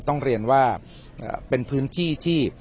ต้องเรียนว่าเป็นพื้นที่ที่